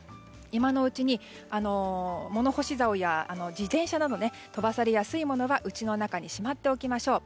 今のうちに物干しざおや自転車など飛ばされやすいものはうちの中にしまっておきましょう。